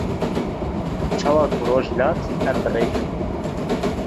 Çawa ku roj hilat em bi rê ketin.